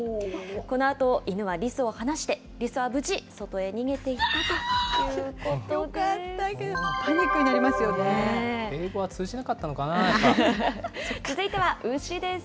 このあと犬はリスを放して、リスは無事外へ逃げていったというこよかったです。